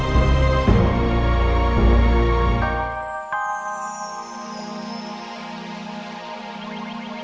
jangan lupa subscribe channel ini